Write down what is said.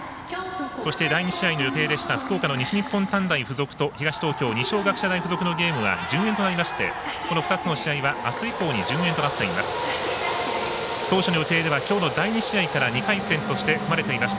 そして、第２試合予定だった福岡の西日本短大付属と東東京の二松学舎大付属のゲームは順延となりましてこの２つの試合はあす以降に順延となっています。